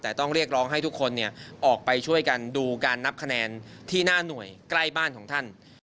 แต่ต้องเรียกร้องให้ทุกคนออกไปช่วยกันดูการนับคะแนนที่หน้าหน่วยใกล้บ้านของท่าน